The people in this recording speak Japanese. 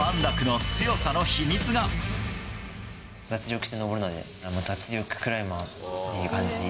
脱力して登るので、脱力クライマーっていう感じ。